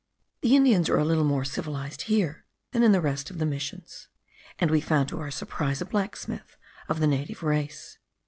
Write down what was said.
The Indians are a little more civilized here than in the rest of the missions, and we found to our surprise a blacksmith of the native race.